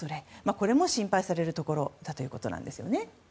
これも心配されるところだということです。